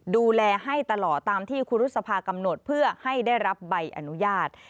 ดูแลให้ตลอดตามที่ครูรุษภากำหนดเพื่อให้ได้รับใบอนุญาต